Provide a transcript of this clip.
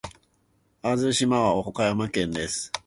小豆島は岡山県です。